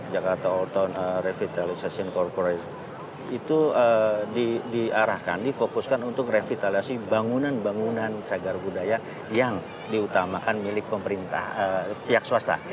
jotrc atau old town revitalization corporation itu diarahkan difokuskan untuk revitalisasi bangunan bangunan cagar budaya yang diutamakan milik pihak swasta